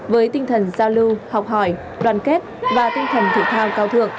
với tinh thần giao lưu học hỏi đoàn kết và tình hình